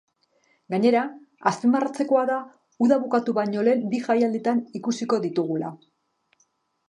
Gainera, azpimarratzekoa da uda bukatu baino lehen bi jaialditan ikusiko ditugula.